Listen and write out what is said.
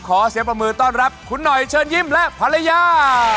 ขอเสียงปรบมือต้อนรับคุณหน่อยเชิญยิ้มและภรรยา